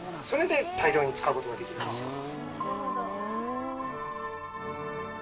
それで大量に使う事ができるんです。